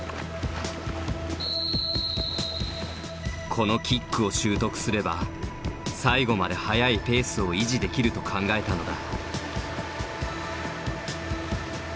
このキックを習得すれば最後まで速いペースを維持できると考えたのだ。